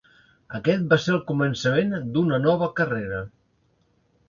Aquest va ser el començament d'una nova carrera.